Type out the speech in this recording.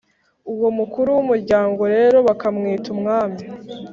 uwo mukuru w’umuryango rero bakamwita umwami.